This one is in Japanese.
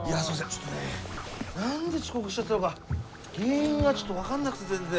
ちょっとね何で遅刻しちゃったのか原因がちょっと分かんなくて全然。